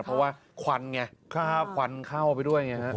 เพราะว่าควันไงควันเข้าไปด้วย